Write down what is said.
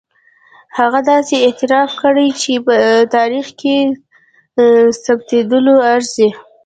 هغه داسې اعتراف کړی چې په تاریخ کې ثبتېدلو ارزي.